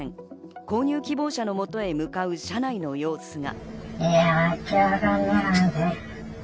購入希望者の元へ向かう車内の様子が。